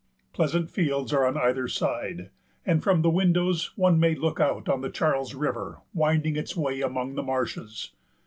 Pleasant fields are on either side, and from the windows one may look out on the Charles River winding its way among the marshes.